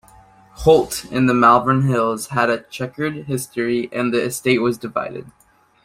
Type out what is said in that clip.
Holt, in the Malvern Hills, had a chequered history and the estate was divided.